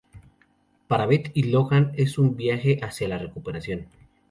Para Beth y Logan, es un viaje hacia la recuperación".